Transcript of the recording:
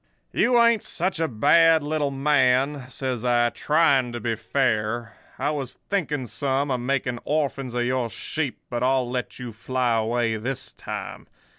"'You ain't such a bad little man,' says I, trying to be fair. 'I was thinking some of making orphans of your sheep, but I'll let you fly away this time.